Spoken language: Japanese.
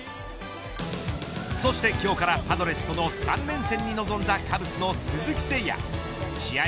そして今日からパドレスとの３連戦に臨んだカブスの鈴木誠也試合